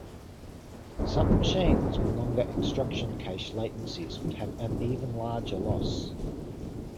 Some machines with longer instruction cache latencies would have an even larger loss.